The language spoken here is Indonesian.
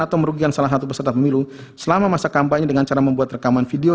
atau merugikan salah satu peserta pemilu selama masa kampanye dengan cara membuat rekaman video